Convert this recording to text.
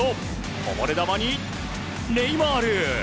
こぼれ球にネイマール。